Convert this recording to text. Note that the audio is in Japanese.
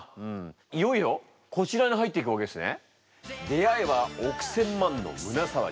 いよいよこちらに入っていくわけですね。